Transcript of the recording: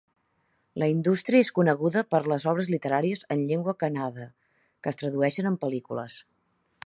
La indústria és coneguda per les obres literàries en llengua kannada, que es tradueixen en pel·lícules.